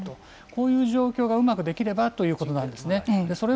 こういう状況がうまくできればということなんです。